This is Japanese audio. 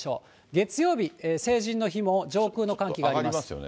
月曜日、成人の日も上空の寒気が。